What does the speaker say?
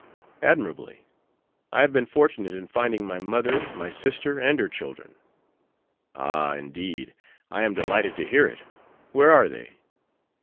"Admirably! I have been fortunate in finding my mother, my sister, and her children." "Ah, indeed! I am delighted to hear it. Where are they?"